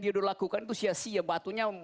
dia udah lakukan itu sia sia batunya